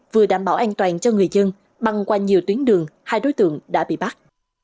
vừa đảm bảo an toàn cho người dân băng qua nhiều tuyến đường hai đối tượng đã bị bắt